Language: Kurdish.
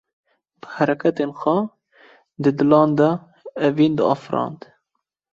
Bi hereketên xwe, di dilan de evîn diafirand